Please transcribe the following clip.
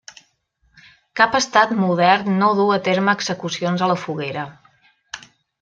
Cap estat modern no du a terme execucions a la foguera.